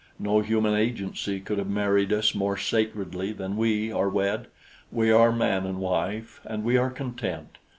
No human agency could have married us more sacredly than we are wed. We are man and wife, and we are content.